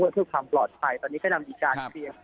เพื่อความปลอดภัยตอนนี้ก็นำมีการเคลียร์